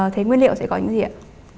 thế nguyên liệu sẽ có những gì ạ